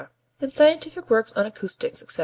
In scientific works on acoustics, etc.